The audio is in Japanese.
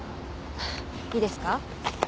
いいですか？